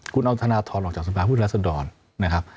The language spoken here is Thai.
คุณเอาธนทรออกจากสภาพุทธรัศดรนะครับ